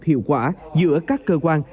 hiệu quả giữa các cơ quan